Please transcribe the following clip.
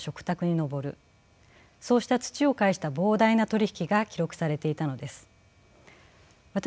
そうした土を介した膨大な取り引きが記録されていたのです。